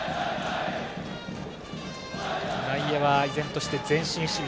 内野は依然として前進守備。